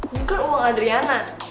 bukan uang adriana